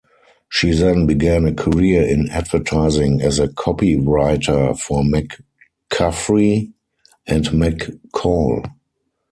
She then began a career in advertising as a copywriter for McCaffrey and McCall.